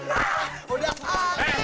jangan lupa sam